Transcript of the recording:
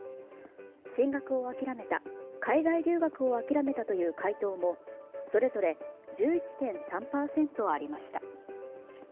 進学を諦めた海外留学を諦めたという回答もそれぞれ１１．３％ありました。